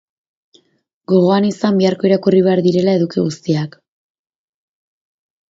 Gogoan izan biharko irakurri behar direla eduki guztiak.